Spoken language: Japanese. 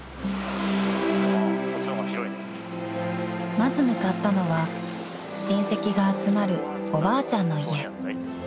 ［まず向かったのは親戚が集まるおばあちゃんの家］